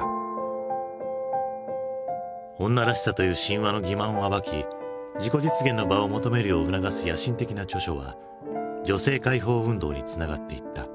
「女らしさ」という神話の欺まんを暴き自己実現の場を求めるよう促す野心的な著書は女性解放運動につながっていった。